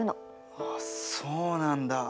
うわそうなんだ。